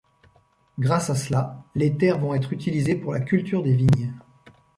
Grâce à cela, les terres vont être utilisées pour la culture des vignes.